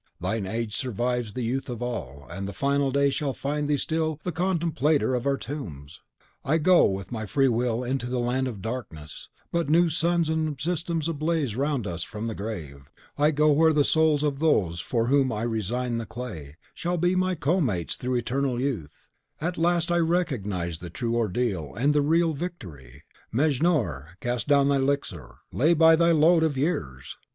Thine age survives the youth of all; and the Final Day shall find thee still the contemplator of our tombs. I go with my free will into the land of darkness; but new suns and systems blaze around us from the grave. I go where the souls of those for whom I resign the clay shall be my co mates through eternal youth. At last I recognise the true ordeal and the real victory. Mejnour, cast down thy elixir; lay by thy load of years!